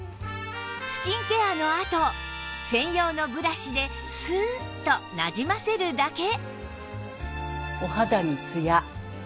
スキンケアのあと専用のブラシでスーッとなじませるだけ